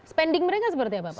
spending mereka seperti apa pak